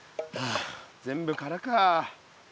あ全部空か。